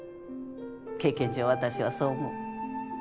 経験上私はそう思う。